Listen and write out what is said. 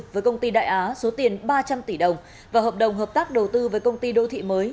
với công ty đại á số tiền ba trăm linh tỷ đồng và hợp đồng hợp tác đầu tư với công ty đô thị mới